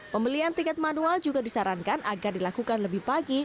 pembelian tiket manual juga disarankan agar dilakukan lebih pagi